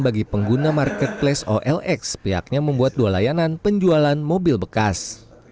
bagi pengguna marketplace olx pihaknya membuat dua layanan penjualan mobil bekas